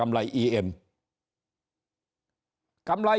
ถ้าท่านผู้ชมติดตามข่าวสาร